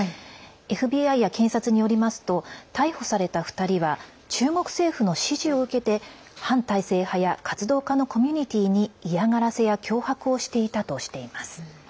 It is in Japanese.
ＦＢＩや検察によりますと逮捕された２人は中国政府の指示を受けて反体制派や活動家のコミュニティーに嫌がらせや脅迫をしていたとしています。